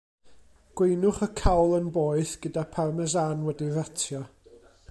Gweinwch y cawl yn boeth, gyda Parmesan wedi'i ratio.